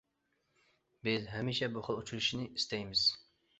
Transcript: بىز ھەمىشە بۇ خىل ئۇچرىشىشنى ئىستەيمىز.